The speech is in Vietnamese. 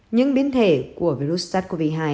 những biến thể của virus sars cov hai